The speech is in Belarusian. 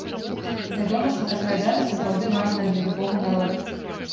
Вядома, што такая дата сапраўды важная для любога народа.